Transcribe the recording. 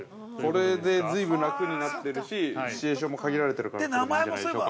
◆これで随分楽になってるしシチュエーションも限られてるからこれでいいんじゃないでしょうか。